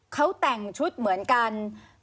เขาแต่งชุดเหมือนกัน